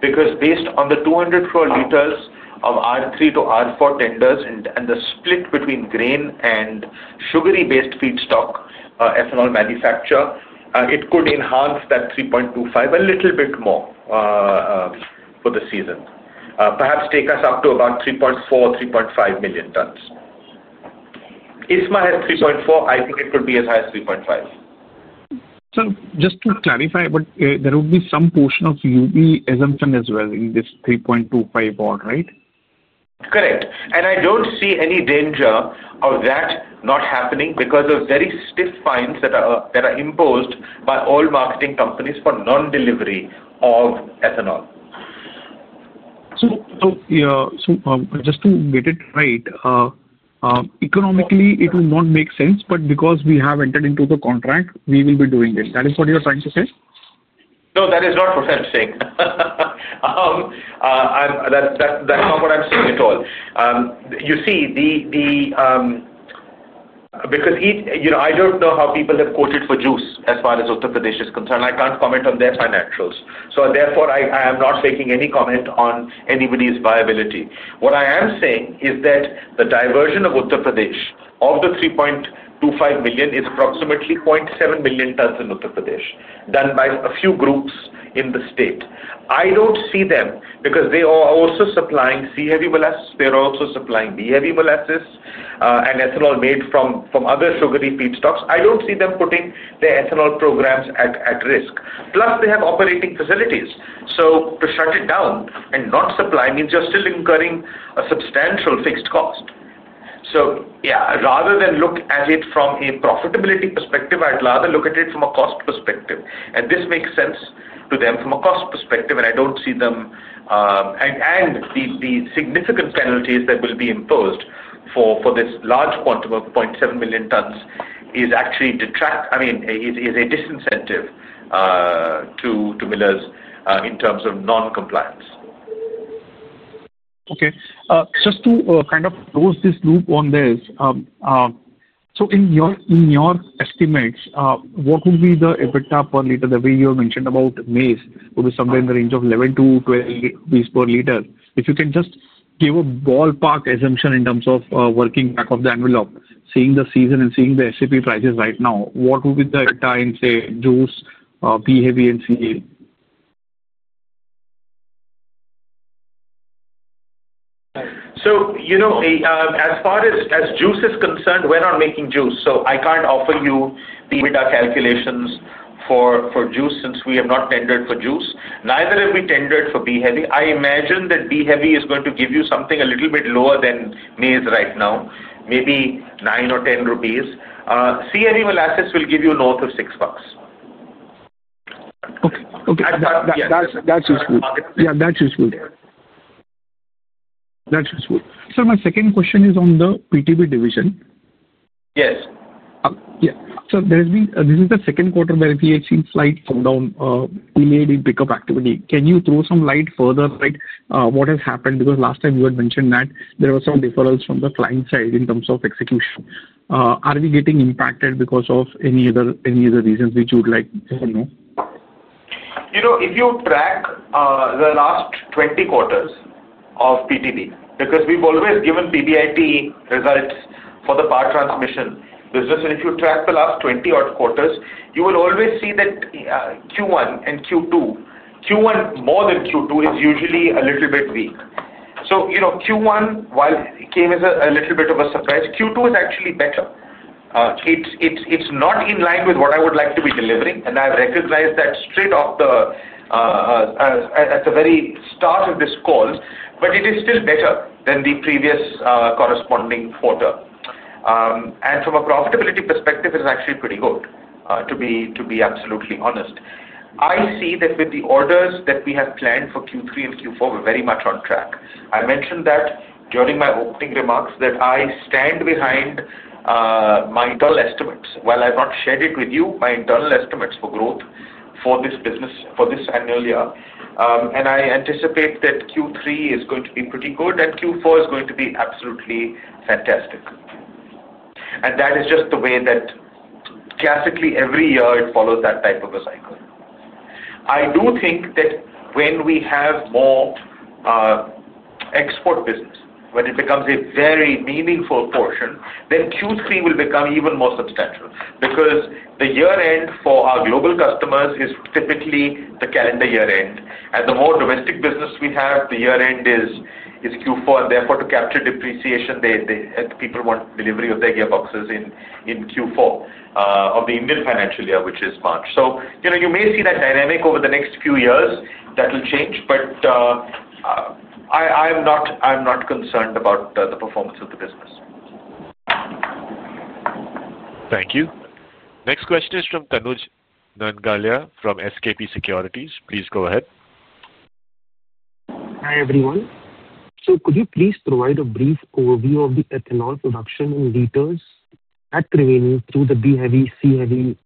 because based on the 200 crore liters of R3 to R4 tenders and the split between grain and sugary-based feedstock ethanol manufacture, it could enhance that 3.25 a little bit more for the season. Perhaps take us up to about 3.4, 3.5 million tons. If my head 3.4, I think it could be as high as 3.5. Just to clarify, there would be some portion of UP assumption as well in this 3.25 odd, right? Correct. I do not see any danger of that not happening because of very stiff fines that are imposed by all marketing companies for non-delivery of ethanol. Just to get it right, economically, it will not make sense, but because we have entered into the contract, we will be doing it. That is what you're trying to say? No, that is not what I'm saying. That's not what I'm saying at all. You see, because I don't know how people have quoted for juice as far as Uttar Pradesh is concerned. I can't comment on their financials. Therefore, I am not making any comment on anybody's viability. What I am saying is that the diversion of Uttar Pradesh of the 3.25 million is approximately 0.7 million tons in Uttar Pradesh done by a few groups in the state. I don't see them because they are also supplying C-heavy molasses. They are also supplying B-heavy molasses and ethanol made from other sugary feedstocks. I don't see them putting their ethanol programs at risk. Plus, they have operating facilities. To shut it down and not supply means you're still incurring a substantial fixed cost. Rather than look at it from a profitability perspective, I'd rather look at it from a cost perspective. This makes sense to them from a cost perspective, and I don't see them, and the significant penalties that will be imposed for this large quantum of 0.7 million tons is actually detract, I mean, is a disincentive to millers in terms of non-compliance. Okay. Just to kind of close this loop on this, in your estimates, what would be the EBITDA per liter? The way you have mentioned about maize would be somewhere in the range of 11-12 rupees per liter. If you can just give a ballpark assumption in terms of working back of the envelope, seeing the season and seeing the SEP prices right now, what would be the EBITDA in, say, juice, B-heavy, and C-heavy? As far as juice is concerned, we're not making juice. I can't offer you the EBITDA calculations for juice since we have not tendered for juice. Neither have we tendered for B-heavy. I imagine that B-heavy is going to give you something a little bit lower than maize right now, maybe 9 or 10 rupees. C-heavy molasses will give you north of INR 6. Okay. Okay. That's useful. Yeah, that's useful. That's useful. My second question is on the PTB division. Yes. This is the second quarter where we have seen slight slowdown in pickup activity. Can you throw some light further on what has happened? Because last time, you had mentioned that there were some deferrals from the client side in terms of execution. Are we getting impacted because of any other reasons which you would like to know? If you track the last 20 quarters of PBT, because we've always given PBIT results for the power transmission business, and if you track the last 20 quarters, you will always see that Q1 and Q2, Q1 more than Q2, is usually a little bit weak. Q1, while it came as a little bit of a surprise, Q2 is actually better. It is not in line with what I would like to be delivering, and I've recognized that straight off at the very start of this call, but it is still better than the previous corresponding quarter. From a profitability perspective, it is actually pretty good, to be absolutely honest. I see that with the orders that we have planned for Q3 and Q4, we're very much on track. I mentioned during my opening remarks that I stand behind my internal estimates. I've not shared it with you, my internal estimates for growth for this business, for this annual year. I anticipate that Q3 is going to be pretty good, and Q4 is going to be absolutely fantastic. That is just the way that classically, every year, it follows that type of a cycle. I do think that when we have more export business, when it becomes a very meaningful portion, then Q3 will become even more substantial because the year-end for our global customers is typically the calendar year-end. The more domestic business we have, the year-end is Q4. Therefore, to capture depreciation, people want delivery of their gearboxes in Q4 of the Indian financial year, which is March. You may see that dynamic over the next few years that will change, but I'm not concerned about the performance of the business. Thank you. Next question is from Tanuj Nangalia from SKP Securities. Please go ahead. Hi everyone. Could you please provide a brief overview of the ethanol production in liters at Triveni through the B-heavy, C-heavy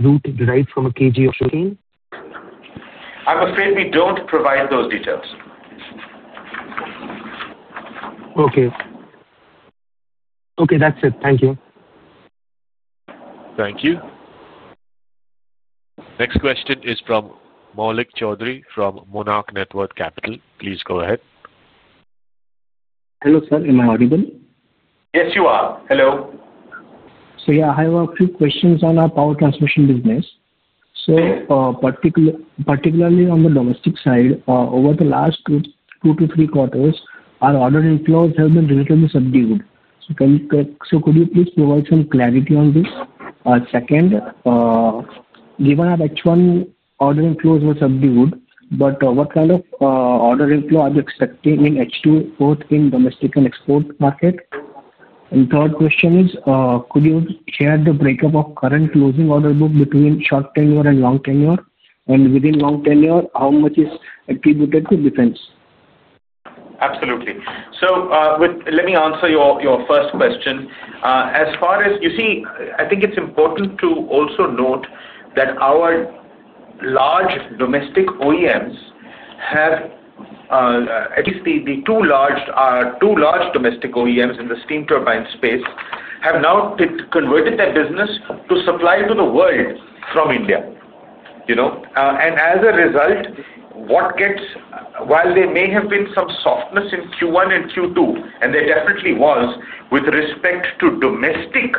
route derived from a kg of cane? I'm afraid we don't provide those details. Okay. Okay. That's it. Thank you. Thank you. Next question is from Maulik Chaudhari from Monarch Networth Capital. Please go ahead. Hello sir, am I audible? Yes, you are. Hello. I have a few questions on our power transmission business. Particularly on the domestic side, over the last two to three quarters, our order inflows have been subdued. Could you please provide some clarity on this? Second, given our H1 order inflows were subdued, what kind of order inflow are you expecting in H2, both in domestic and export market? Third question is, could you share the breakup of current closing order book between short tenure and long tenure? Within long tenure, how much is attributed to defense? Absolutely. Let me answer your first question. As far as you see, I think it is important to also note that our large domestic OEMs have, at least the two large domestic OEMs in the steam turbine space, now converted their business to supply to the world from India. As a result, while there may have been some softness in Q1 and Q2, and there definitely was with respect to domestic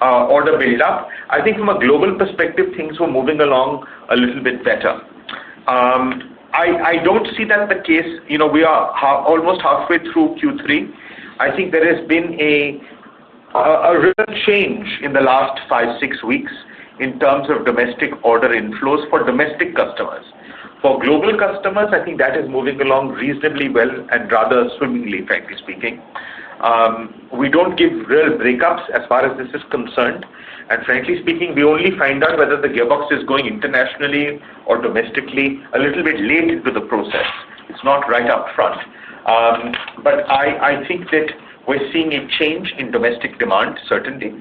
order build-up, I think from a global perspective, things were moving along a little bit better. I do not see that the case. We are almost halfway through Q3. I think there has been a real change in the last five-six weeks in terms of domestic order inflows for domestic customers. For global customers, I think that is moving along reasonably well and rather swimmingly, frankly speaking. We do not give real breakups as far as this is concerned. Frankly speaking, we only find out whether the gearbox is going internationally or domestically a little bit late into the process. It is not right up front. I think that we are seeing a change in domestic demand, certainly.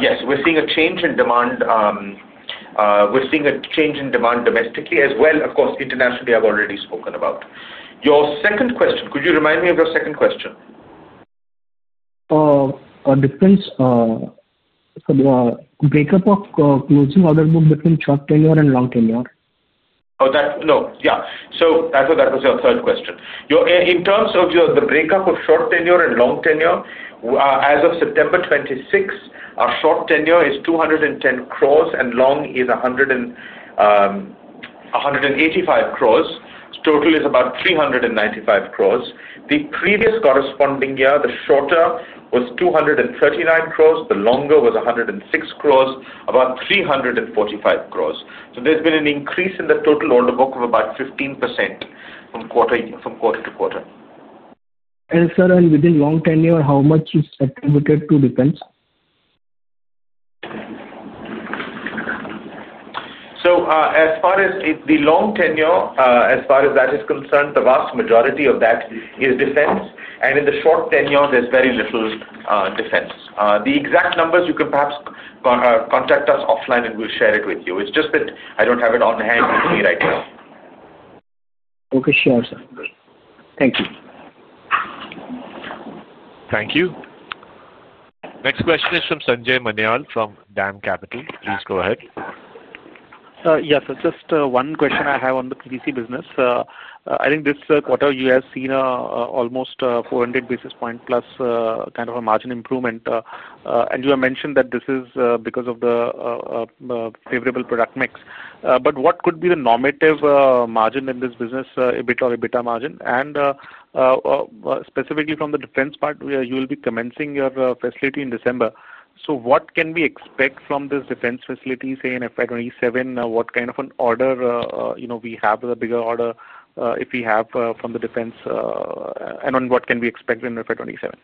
Yes, we are seeing a change in demand. We're seeing a change in demand domestically as well. Of course, internationally, I've already spoken about. Your second question, could you remind me of your second question? The breakup of closing order book between short tenure and long tenure? Oh, no. Yeah. I thought that was your third question. In terms of the breakup of short tenure and long tenure, as of September 26, our short tenure is 210 crore and long is 185 crore. Total is about 395 crore. The previous corresponding year, the shorter was 239 crore. The longer was 106 crore, about 345 crore. There has been an increase in the total order book of about 15% from quarter to quarter. Sir, within long tenure, how much is attributed to defense? As far as the long tenure, as far as that is concerned, the vast majority of that is defense. In the short tenure, there is very little defense. The exact numbers, you can perhaps contact us offline and we will share it with you. It is just that I do not have it on hand with me right now. Okay. Sure, sir. Thank you. Thank you. Next question is from Sanjay Manyal from DAM Capital. Please go ahead. Yes, sir. Just one question I have on the PDC business. I think this quarter, you have seen almost 400 basis points plus kind of a margin improvement. You have mentioned that this is because of the favorable product mix. What could be the normative margin in this business, EBIT or EBITDA margin? Specifically from the defense part, you will be commencing your facility in December. What can we expect from this defense facility, say, in FY 2027? What kind of an order we have with a bigger order if we have from the defense? What can we expect in FY 2027?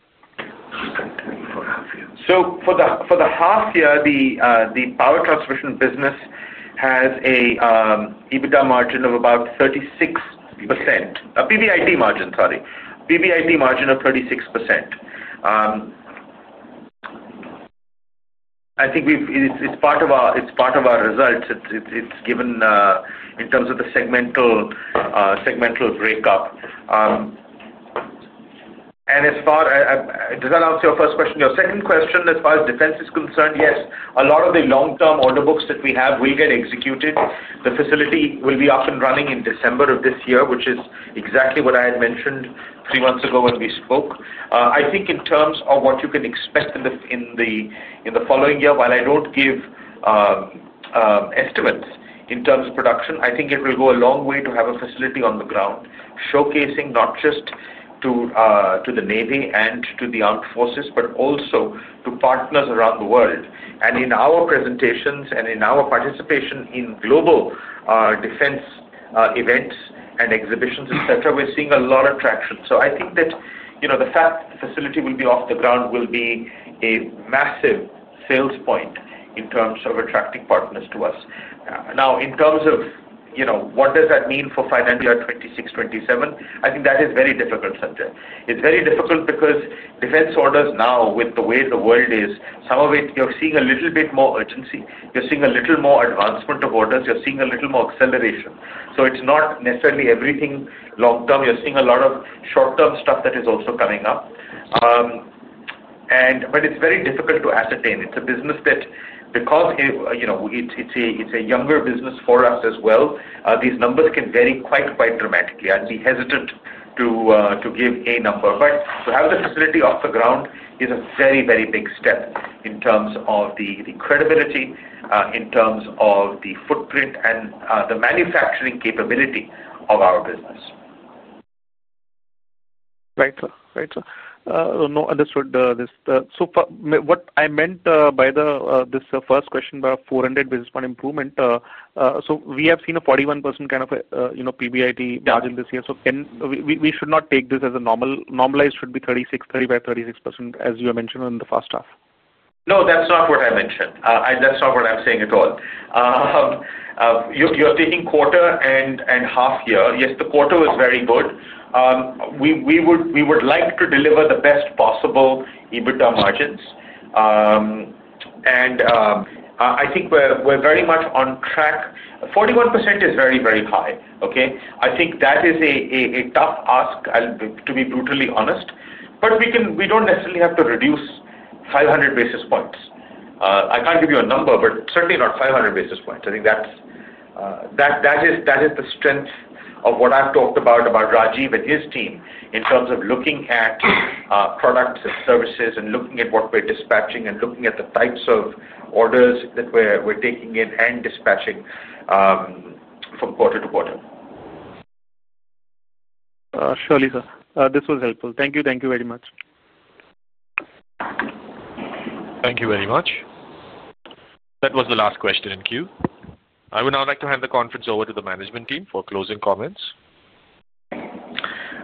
For the half year, the power transmission business has a PBIT margin of about 36%. I think it is part of our results. It is given in terms of the segmental breakup. As far as does that answer your first question? Your second question, as far as defense is concerned, yes. A lot of the long-term order books that we have will get executed. The facility will be up and running in December of this year, which is exactly what I had mentioned three months ago when we spoke. I think in terms of what you can expect in the following year, while I do not give estimates in terms of production, I think it will go a long way to have a facility on the ground showcasing not just to the Navy and to the armed forces, but also to partners around the world. In our presentations and in our participation in global defense events and exhibitions, etc., we are seeing a lot of traction. I think that the fact that the facility will be off the ground will be a massive sales point in terms of attracting partners to us. Now, in terms of what does that mean for financial year 2026-2027, I think that is a very difficult subject. It is very difficult because defense orders now, with the way the world is, some of it, you are seeing a little bit more urgency. You're seeing a little more advancement of orders. You're seeing a little more acceleration. It's not necessarily everything long-term. You're seeing a lot of short-term stuff that is also coming up. It's very difficult to ascertain. It's a business that, because it's a younger business for us as well, these numbers can vary quite, quite dramatically. I'd be hesitant to give a number. To have the facility off the ground is a very, very big step in terms of the credibility, in terms of the footprint, and the manufacturing capability of our business. Right. Right. Understood. What I meant by this first question about 400 basis point improvement, we have seen a 41% kind of PBIT margin this year. We should not take this as a normalized should be 35%-36%, as you have mentioned in the first half. No, that's not what I mentioned. That's not what I'm saying at all. You're taking quarter and half year. Yes, the quarter was very good. We would like to deliver the best possible EBITDA margins. I think we're very much on track. 41% is very, very high. Okay? I think that is a tough ask, to be brutally honest. We do not necessarily have to reduce 500 basis points. I cannot give you a number, but certainly not 500 basis points. I think that is the strength of what I have talked about, about Rajiv and his team in terms of looking at products and services and looking at what we're dispatching and looking at the types of orders that we're taking in and dispatching from quarter to quarter. Surely, sir. This was helpful. Thank you. Thank you very much. Thank you very much. That was the last question in queue. I would now like to hand the conference over to the management team for closing comments.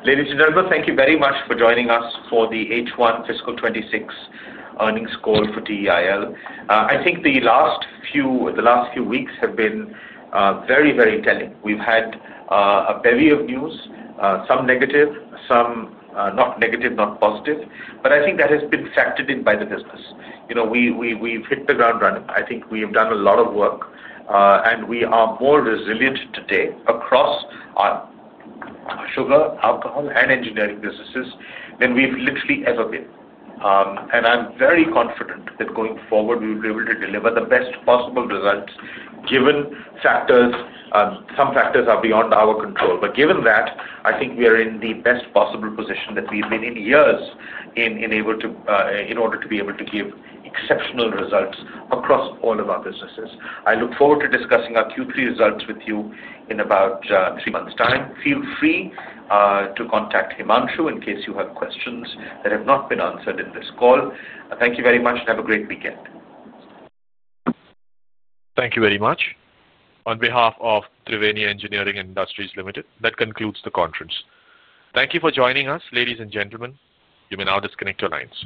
Ladies and gentlemen, thank you very much for joining us for the H1 Fiscal 2026 earnings call for Triveni Engineering & Industries Limited. I think the last few weeks have been very, very telling. We've had a bevy of news, some negative, some not negative, not positive. I think that has been factored in by the business. We've hit the ground running. I think we have done a lot of work, and we are more resilient today across sugar, alcohol, and engineering businesses than we've literally ever been. I'm very confident that going forward, we will be able to deliver the best possible results given some factors are beyond our control. Given that, I think we are in the best possible position that we've been in years in order to be able to give exceptional results across all of our businesses. I look forward to discussing our Q3 results with you in about three months' time. Feel free to contact Himanshu in case you have questions that have not been answered in this call. Thank you very much, and have a great weekend. Thank you very much. On behalf of Triveni Engineering & Industries Limited, that concludes the conference. Thank you for joining us, ladies and gentlemen. You may now disconnect your lines.